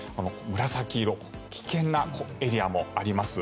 紫色、危険なエリアもあります。